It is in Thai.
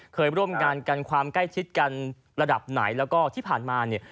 เคยร่วมงานกันความใกล้ชิดกันระดับไหนแล้วก็ที่ผ่านมาเนี่ย